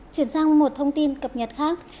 chuyển sang một thông tin cập nhật khác